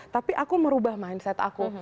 tapi aku merubah mindset aku